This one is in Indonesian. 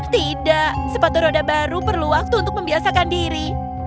tidak sepatu roda baru perlu waktu untuk membiasakan diri